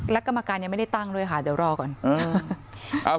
และกรรมการยังไม่ได้ตั้งแล้วทำถาม